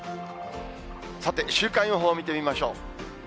さて、週間予報見てみましょう。